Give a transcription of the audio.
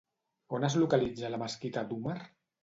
On es localitza la Mesquita d'Úmar?